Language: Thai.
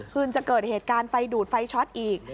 คืนจะเกิดเหตุการณ์ไฟดูดไฟช็อตอีก